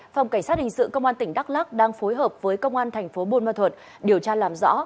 phòng cảnh sát hình sự công an tỉnh đắk lắc đang phối hợp với công an thành phố bôn ma thuật điều tra làm rõ